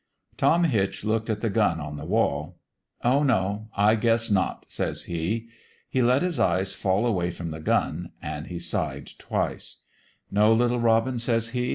" Tom Hitch looked at the gun on the wall. 1 Oh, no, I guess not,' says he. He let his eyes fall away from the gun ; an' he sighed twice. ' No, little robin,' says he.